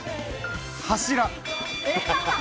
柱。